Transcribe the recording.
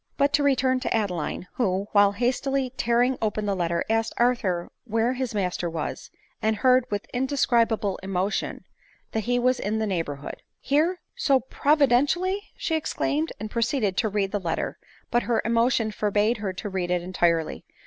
But to return to Adeline, who, while hastily tearing open the letter, asked Arthur where his master was, and heard with indescribable emotion that he was in the neigh borhood. "Here! so providentially !" she exclaimed, and pro ceeded to read the letter ; but her emotion forbade her to read it entirety.